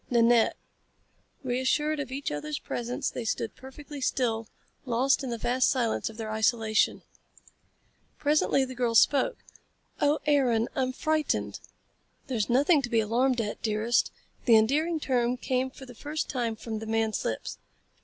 "Nanette." Reassured of each other's presence they stood perfectly still, lost in the vast silence of their isolation. Presently the girl spoke. "Oh, Aaron, I'm frightened!" "There's nothing to be alarmed at, dearest." The endearing term came for the first time from the man's lips.